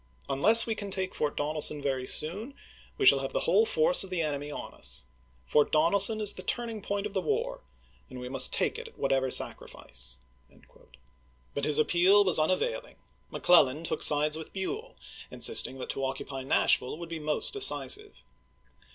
.. Unless we can take Fort Donelson very soon we shall have the whole force Mccfelhi^u, of the enemy on us. Fort Donelson is the turning 1862! w. r. point of the war, and we must take it at whatever pp. 624, 625. sacrifice." But his appeal was unavailing. McClellan took sides with Buell, insisting that to occupy Nashville would be most decisive.